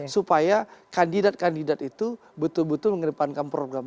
supaya kandidat kandidat itu betul betul mengedepankan program